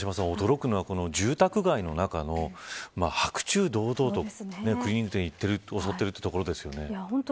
永島さん、驚くのは住宅街の中の、白昼堂々とクリーニング店を襲っているということですよね。